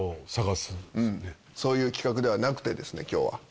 そういう企画ではなくてですね今日は。